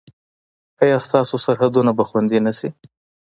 ایا ستاسو سرحدونه به خوندي نه شي؟